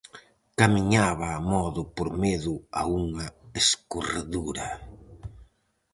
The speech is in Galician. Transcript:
Camiñaba amodo por medo a unha escorredura.